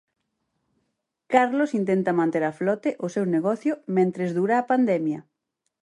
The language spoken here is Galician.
Carlos intenta manter a flote o seu negocio mentres dura a pandemia.